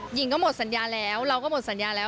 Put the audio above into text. หญิงก็หมดสัญญาแล้วเราก็หมดสัญญาแล้ว